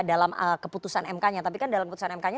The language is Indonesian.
dalam keputusan mk nya tapi kan dalam putusan mk nya